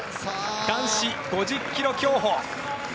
男子５０ｋｍ競歩。